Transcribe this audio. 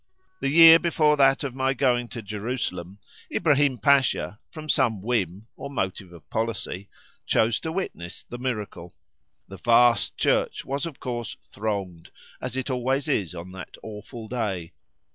The year before that of my going to Jerusalem, Ibrahim Pasha, from some whim, or motive of policy, chose to witness the miracle. The vast church was of course thronged, as it always is on that awful day.